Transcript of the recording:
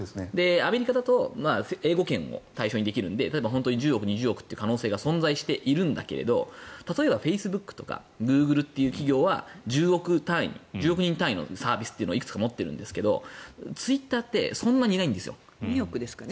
アメリカだと英語圏を対象にできるので例えば１０億、２０億という可能性が存在しているんだけど例えばフェイスブックとかグーグルという企業は１０億人単位のサービスをいくつか持っているんですがツイッターってそんなにないんです。